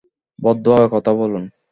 ভদ্রভাবে কথা বলুন।